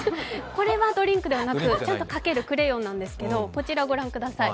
これはドリンクじゃなく、ちゃんと描けるクレヨンなんですけど、こちら御覧ください。